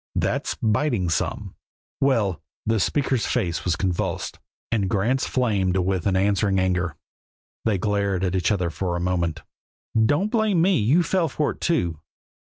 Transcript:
That's biting some." "Well!" The speaker's face was convulsed, and Grant's flamed with an answering anger. They glared at each other for a moment. "Don't blame me. You fell for it, too."